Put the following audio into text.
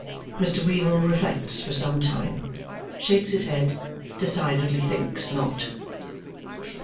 Mr. Weevle reflects for some time. Shakes his head. Decidedly thinks not.